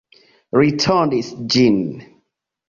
Li tondis ĝin.